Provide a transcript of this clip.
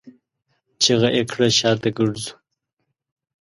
چيغه يې کړه! شاته ګرځو!